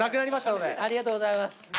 ありがとうございます。